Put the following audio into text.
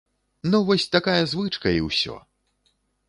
Ну вось такая звычка і ўсё.